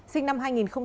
sinh năm hai nghìn một